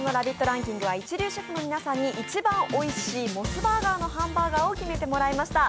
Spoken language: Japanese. ランキングは一流シェフの皆さんに一番おいしいモスバーガーのハンバーガーを決めてもらいました。